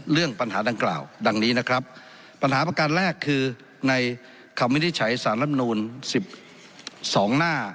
เรื่องปัญหาดังกล่าวดังนี้นะครับปัญหาประการแรกคือในคำวินิจฉัยสารรับนูลสิบสองหน้า